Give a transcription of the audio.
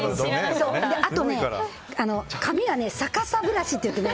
あと、髪は逆さブラシっていってね。